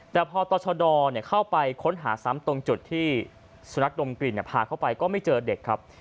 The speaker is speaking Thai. แต่พอต่อชะดอเข้าไปค้นหาซ้ำตรงจุดที่สุนัขดมกลิ่นพาเข้าไปก็ไม่เจอเด็กครับ